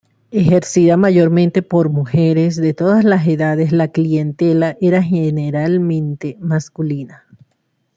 Ejercida mayormente por mujeres de todas las edades, la clientela era generalmente masculina.